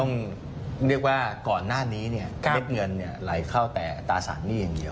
เรียกว่าก่อนหน้านี้เนี่ยเม็ดเงินไหลเข้าแต่อัตราสารหนี้อย่างเดียว